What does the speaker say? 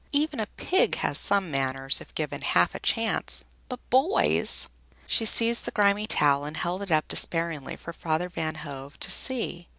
Even a pig has some manners if given half a chance, but boys!" She seized the grimy towel and held it up despairingly for Father Van Hove to see.